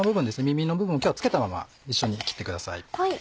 耳の部分は今日は付けたまま一緒に切ってください。